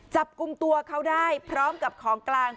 จับกลุ่มตัวเขาได้พร้อมกับของกลาง